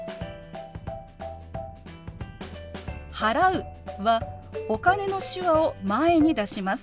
「払う」は「お金」の手話を前に出します。